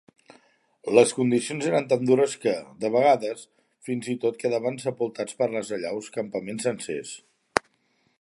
Les condicions eren tan dures que, de vegades, fins i tot quedaven sepultats per les allaus campaments sencers.